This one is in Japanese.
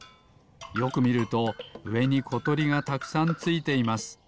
よくみるとうえにことりがたくさんついています。